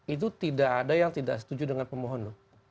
itu tidak ada yang tidak setuju dengan pemohon loh